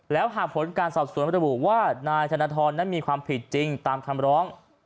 แล้วหากผลการสอบสวนระบุว่านายธนทรนั้นมีความผิดจริงตามคำร้อง